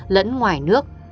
lẫn ngoài nước